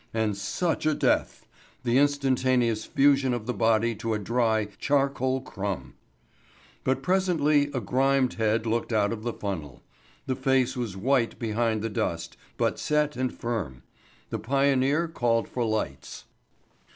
And such a death! The instantaneous fusion of the body to a dry charcoal crumb! But presently a grimed head looked out of the funnel. The face was white behind the dust, but set and firm. The pioneer called for lights.